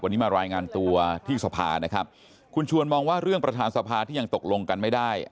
วันนี้มารายงานตัวที่สภานะครับคุณชวนมองว่าเรื่องประธานสภาที่ยังตกลงกันไม่ได้